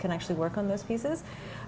jadi kami membuat sekitar